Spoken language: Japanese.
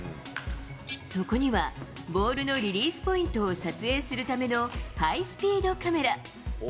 そこには、ボールのリリースポイントを撮影するためのハイスピードカメラ。